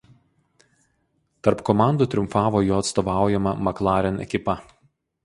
Tarp komandų triumfavo jo atstovaujama McLaren ekipa.